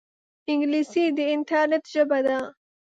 انګلیسي د انټرنیټ ژبه ده